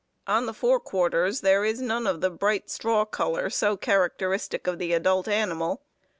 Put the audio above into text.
On the fore quarters there is none of the bright straw color so characteristic of the adult animal.